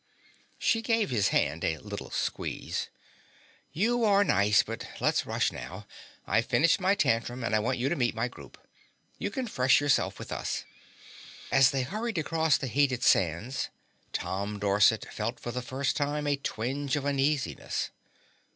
She gave his hand a little squeeze. "You are nice, but let's rush now. I've finished my tantrum and I want you to meet my group. You can fresh yourself with us." As they hurried across the heated sands, Tom Dorset felt for the first time a twinge of uneasiness.